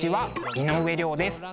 井上涼です。